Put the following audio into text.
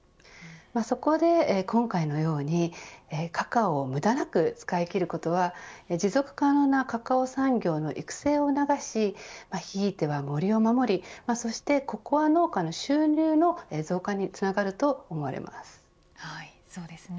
そこで、今回のようにカカオを無駄なく使い切ることは持続可能なカカオ産業の育成を促しひいては森を守りそしてココア農家の収入の増加につながると思われます。